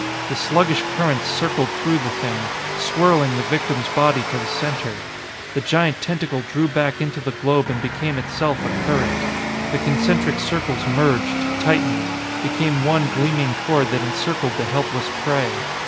The sluggish currents circled through the Thing, swirling the victim's body to the center. The giant tentacle drew back into the globe and became itself a current. The concentric circles merged tightened became one gleaming cord that encircled the helpless prey.